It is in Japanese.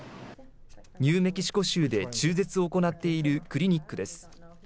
ニューメキシコ州で中絶を行っているクリニックです。